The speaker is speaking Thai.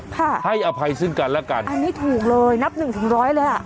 ให้อภัยซึ่งกันแล้วกันอันนี้ถูกเลยนับหนึ่งถึงร้อยเลยอ่ะ